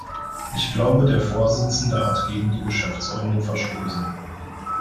Ich glaube, der Vorsitzende hat gegen die Geschäftsordnung verstoßen.